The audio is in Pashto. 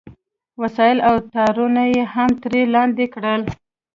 وسایل او تارونه یې هم ترې لاندې کړل